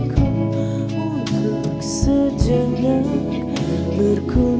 kau tak pernah menemukan